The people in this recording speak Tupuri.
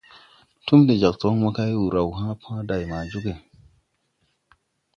Túm de jag toŋ mo kay, wur raw hãã pãã day ma jooge.